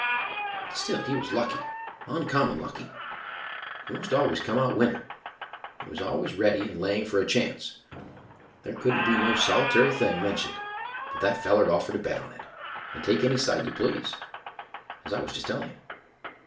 But still he was lucky, uncommon lucky; he most always come out winner. He was always ready and laying for a chance; there couldn't be no solit'ry thing mentioned but that feller'd offer to bet on it, and take any side you please, as I was just telling you.